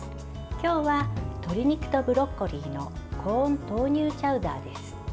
今日は、鶏肉とブロッコリーのコーン豆乳チャウダーです。